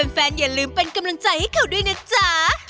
อย่าลืมเป็นกำลังใจให้เขาด้วยนะจ๊ะ